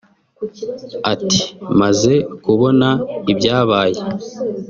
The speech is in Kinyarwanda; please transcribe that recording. Ati “Maze kubona ibyabaye